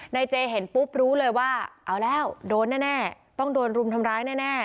เจเห็นปุ๊บรู้เลยว่าเอาแล้วโดนแน่ต้องโดนรุมทำร้ายแน่